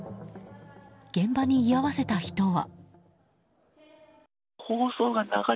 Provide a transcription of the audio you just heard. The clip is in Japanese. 現場に居合わせた人は。